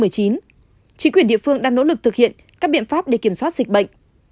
chính quyền địa phương đang nỗ lực thực hiện các biện pháp để kiểm soát dịch bệnh